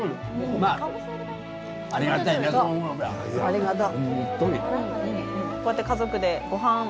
ありがとう。